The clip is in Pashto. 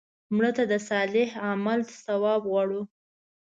مړه ته د صالح عمل ثواب غواړو